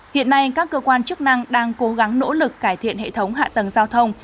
hiện nay các cơ quan chức năng đang cố gắng nỗ lực cải thiện hệ thống hạ tầng giao thông